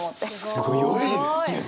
すごいね！